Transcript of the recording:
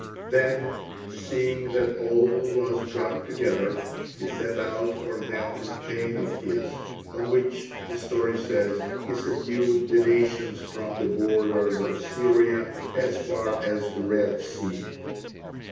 Then, seeing that all was got together, he set out for that campaign of his, on which, the story says, he subdued the nations from the borders of Syria as far as the Red Sea.